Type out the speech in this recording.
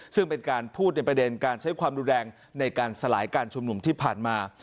ซึ่งเป็นการพูดในประเด็นการใช้ความรุนแรงในการสลายการชุมนุมที่ผ่านมา